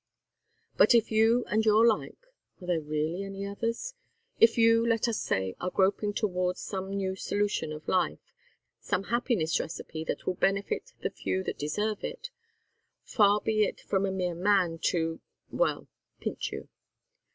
But if you and your like are there really any others? if you, let us say, are groping towards some new solution of life, some happiness recipe that will benefit the few that deserve it, far be it from a mere man to well pinch you.